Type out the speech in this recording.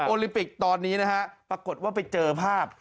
ลิปิกตอนนี้นะฮะปรากฏว่าไปเจอภาพ